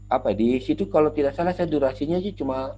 apa di situ kalau tidak salah saya durasinya sih cuma